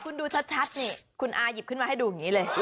คุณดูชัดคุณอาห์หยิบให้ดูเลย